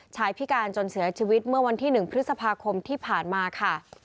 พิการจนเสียชีวิตเมื่อวันที่๑พฤษภาคมที่ผ่านมาค่ะ